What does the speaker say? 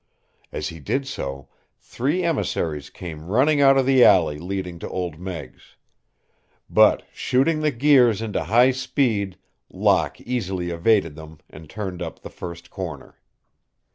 As he did so three emissaries came running out of the alley leading to Old Meg's. But shooting the gears into high speed, Locke easily evaded them and turned up the first corner.